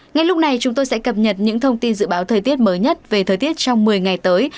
ngay lúc này chúng tôi sẽ cập nhật những thông tin dự báo thời tiết mới nhất về thời tiết trong một mươi ngày tới